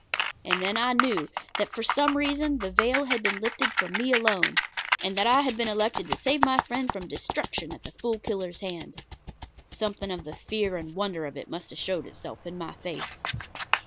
And then I knew that for some reason the veil had been lifted for me alone, and that I had been elected to save my friend from destruction at the Fool Killer's hands. Something of the fear and wonder of it must have showed itself in my face.